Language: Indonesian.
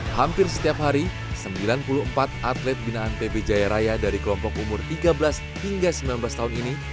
hampir setiap hari sembilan puluh empat atlet binaan pb jaya raya dari kelompok umur tiga belas hingga sembilan belas tahun ini